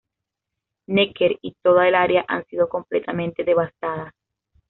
Necker y toda el área han sido completamente devastadas".